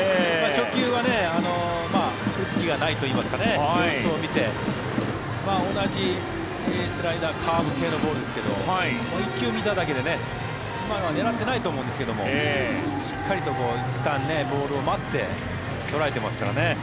初球は打つ気がないといいますか様子を見て同じスライダー、カーブ系のボールですが１球見ただけで、今のは狙ってないと思うんですけどしっかりといったんボールを待って捉えてますからね。